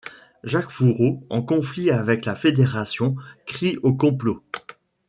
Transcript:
Jacques Fouroux en conflit avec la Fédération crie au complot.